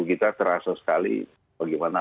kita terasa sekali bagaimana